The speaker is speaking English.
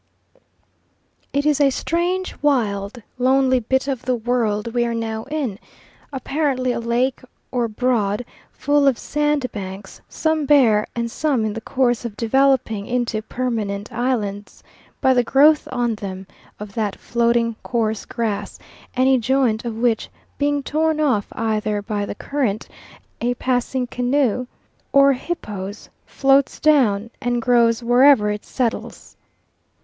It is a strange, wild, lonely bit of the world we are now in, apparently a lake or broad full of sandbanks, some bare and some in the course of developing into permanent islands by the growth on them of that floating coarse grass, any joint of which being torn off either by the current, a passing canoe, or hippos, floats down and grows wherever it settles.